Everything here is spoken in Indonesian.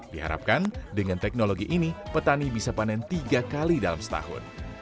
diharapkan dengan teknologi ini petani bisa panen tiga kali dalam setahun